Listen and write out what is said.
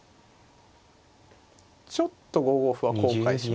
ちょっと５五歩は後悔しますねやってたら。